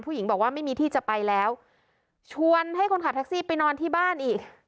ผู้หญิงบอกว่าไม่มีที่จะไปแล้วชวนให้คนขับแท็กซี่ไปนอนที่บ้านอีก